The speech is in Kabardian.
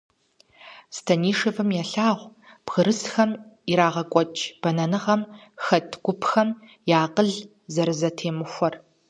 Станишевым елъагъу бгырысхэм ирагъэкӀуэкӀ бэнэныгъэм хэт гупхэм я акъыл зэрызэтемыхуэр.